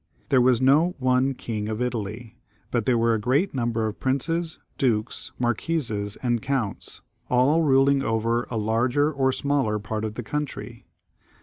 There was no one King of Italy, but there were a great number of princes, dukes, marquises, and counts, all ruling over a larger or smaller part of the coimtry.